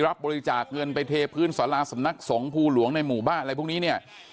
รับบริจาคเงินไปเทพื้นสาราสำนักสงภูหลวงในหมู่บ้านอะไรพวกนี้เนี่ย